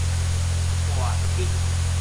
大直